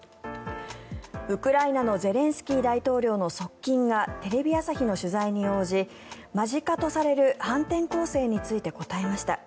ウクライナのゼレンスキー大統領の側近がテレビ朝日の取材に応じ間近とされる反転攻勢について答えました。